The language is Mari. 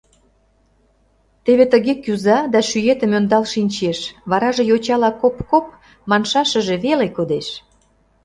Теве тыге кӱза да шӱетым ӧндал шинчеш, вараже йочала коп-коп маншашыже веле кодеш.